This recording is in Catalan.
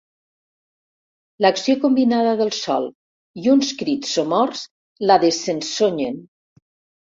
L'acció combinada del sol i uns crits somorts la desensonyen.